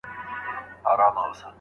توتکۍ ویله غم لرم چي ژاړم